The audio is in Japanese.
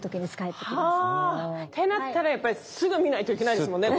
ってなったらやっぱりすぐ見ないといけないですもんね。